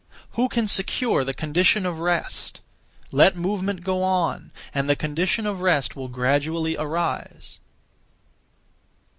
Who can secure the condition of rest? Let movement go on, and the condition of rest will gradually arise.